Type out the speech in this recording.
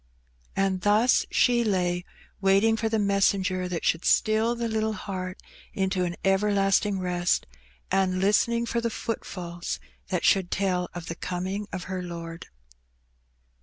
And thus she lay waiting for the messenger that should still the little heart into an everlasting rest, and listening for the footfalls that should tell of the coming of her Lord.